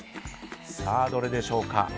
さあどれでしょうか。